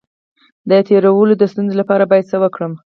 د تیرولو د ستونزې لپاره باید څه وکړم؟